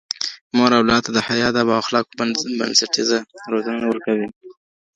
مور اولاد ته د حیا، ادب او اخلاقو بنسټیزه روزنه ورکوي